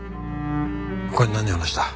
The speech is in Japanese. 他に何を話した？